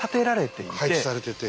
配置されてて。